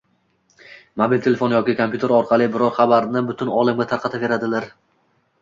mobil telefon yoki kompyuter orqali biror xabarni butun olamga tarqataveradilar.